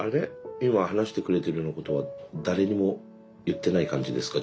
今話してくれてるようなことは誰にも言ってない感じですか。